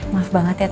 maaf banget ya tante